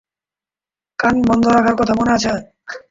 কান বন্ধ রাখার কথা মনে আছে?